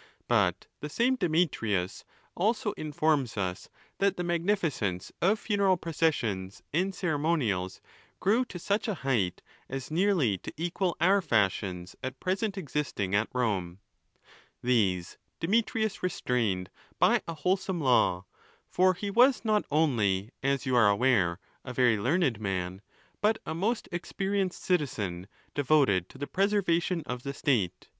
_ But the same Demetrius also informs us that the mani cence of funeral processions and ceremonials grew to such a height as nearly to equal our fashions at present existing at Rome ; these, Demetrius restrained by a wholesome law; for he was not only, as you are aware, a very learned man, but a most. experienced citizen, devoted to the preservation of the state.